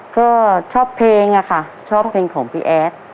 ก็ชอบเพลงอะค่ะชอบเพลงของพี่แอด